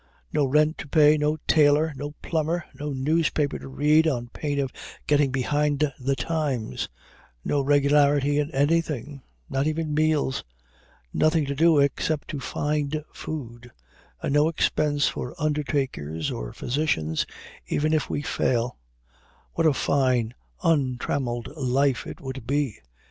No rent to pay, no tailor, no plumber, no newspaper to be read on pain of getting behind the times; no regularity in anything, not even meals; nothing to do except to find food, and no expense for undertakers or physicians, even if we fail; what a fine, untrammeled life it would be!